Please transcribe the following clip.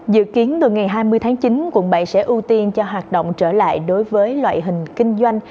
dự kiến từ ngày hai mươi tháng chín quận bảy sẽ ưu tiên cho hoạt động trở lại đối với loại hình kinh doanh